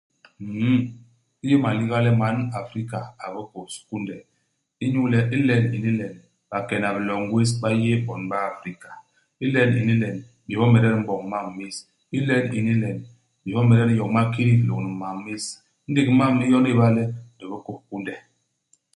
Nn, i yé maliga le man Afrika a bikôs kunde. Inyu le ilen ini len, bakena biloñ gwés ba yé bon ba Afrika. Ilen ini len, bés bomede di m'boñ mam més. Ilen ini len, bés bomede di n'yoñ makidik lôñni mam més. Indék i mam i yon i ñéba le di bikôs kunde.